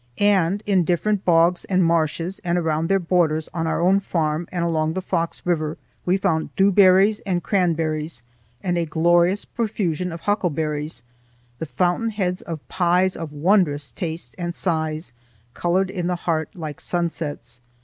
And in different bogs and marshes, and around their borders on our own farm and along the Fox River, we found dewberries and cranberries, and a glorious profusion of huckleberries, the fountain heads of pies of wondrous taste and size, colored in the heart like sunsets.